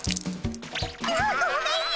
ああっごめんよ！